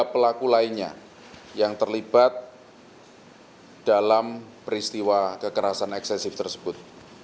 tiga pelaku lainnya yang terlibat dalam peristiwa kekerasan eksesif tersebut